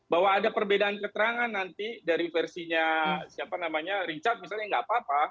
bahwa ada perbedaan keterangan nanti dari versinya siapa namanya richard misalnya nggak apa apa